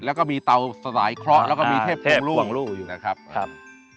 แล้วก็มีเตาสลายเคราะห์แล้วก็มีเทพทงล่วงลูกอยู่นะครับครับ